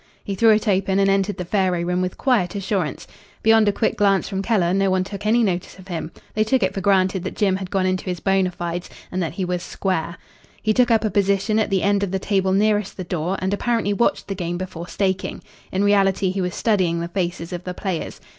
He threw it open and entered the faro room with quiet assurance. Beyond a quick glance from Keller no one took any notice of him. They took it for granted that Jim had gone into his bona fides and that he was "square." He took up a position at the end of the table nearest the door, and apparently watched the game before staking. In reality he was studying the faces of the players.